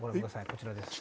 こちらです。